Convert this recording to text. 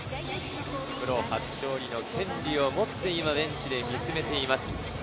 プロ初勝利の権利を持ってベンチで見つめています。